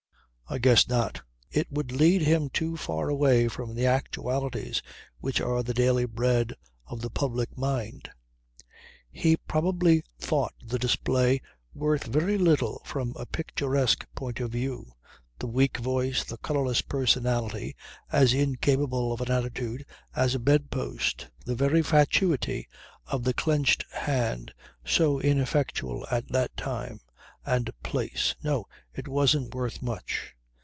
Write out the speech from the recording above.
I guess not. It would lead him too far away from the actualities which are the daily bread of the public mind. He probably thought the display worth very little from a picturesque point of view; the weak voice; the colourless personality as incapable of an attitude as a bed post, the very fatuity of the clenched hand so ineffectual at that time and place no, it wasn't worth much.